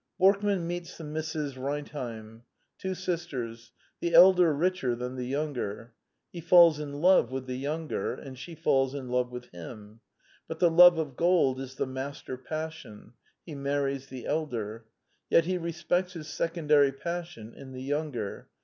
Borkman meets the Misses Rentheim: two sisters: the elder richer than the younger. He falls in love with the younger; and she falls in love with him; but the love of gold is the master passion: he marries the elder. Yet he respects his secondary passion in the younger.